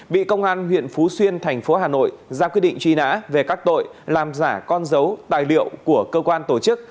bị công an huyện phú xuyên thành phố hà nội ra quyết định truy nã về các tội làm giả con dấu tài liệu của cơ quan tổ chức